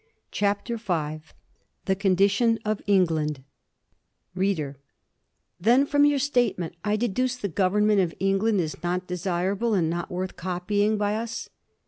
CHAPTER V THE CONDITION OF ENGLAND READER: Then from your statement, I deduce the Government of England is not desirable and not worth copying by us.